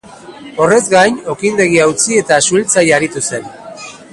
Horrez gain, okindegia utzi eta suhiltzaile aritu zen.